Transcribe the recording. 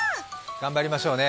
頑張りましょうね。